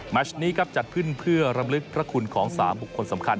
ชนี้ครับจัดขึ้นเพื่อรำลึกพระคุณของ๓บุคคลสำคัญ